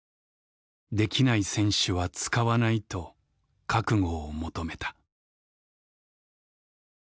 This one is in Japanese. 出来ない選手は使わないと覚悟を求めた」。